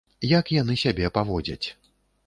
Як яны сябе паводзяць.